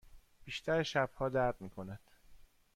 بیشتر شبها درد می کند.